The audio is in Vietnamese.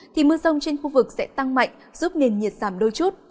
thì mưa rông trên khu vực sẽ tăng mạnh giúp nền nhiệt giảm đôi chút